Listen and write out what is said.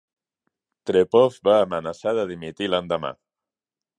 Trepov va amenaçar de dimitir l'endemà.